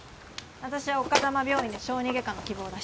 あたしは丘珠病院で小児外科の希望出してる。